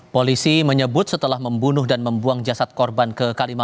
polisi menyebut setelah membunuh dan membuang jasad korban ke kalimantan